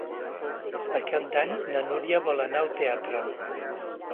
Per Cap d'Any na Núria vol anar al teatre.